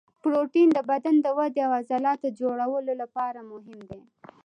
پروټین د بدن د ودې او د عضلاتو د جوړولو لپاره مهم دی